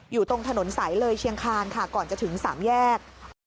อยู่ตรงถนนสายเลยเชียงคานค่ะก่อนจะถึง๓แยก